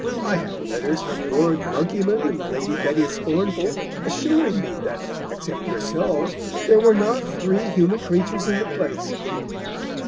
I had Letters from Lord Monkeyman and Lady Betty Scornful assuring me that, except yourselves, there were not three human Creatures in the Place.